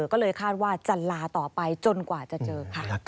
ก็เลยคาดว่าจะลาต่อไปจนกว่าจะเจอค่ะ